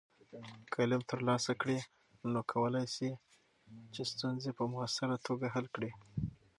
که علم ترلاسه کړې، نو کولی شې چې ستونزې په مؤثره توګه حل کړې.